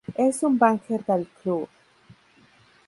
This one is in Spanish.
Es un banger del club.